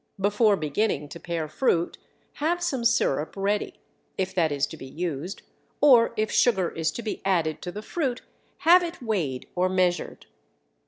Before beginning to pare fruit have some sirup ready, if that is to be used, or if sugar is to be added to the fruit have it weighed or measured.